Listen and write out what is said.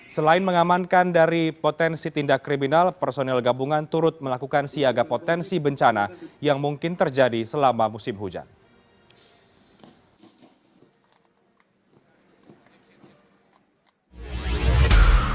selain mengamankan dari potensi tindak kriminal personil gabungan turut melakukan siaga potensi bencana yang mungkin terjadi selama musim hujan